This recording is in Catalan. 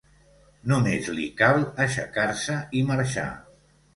Només li cal aixecar-se i marxar.